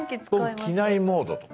僕「機内モード」とか。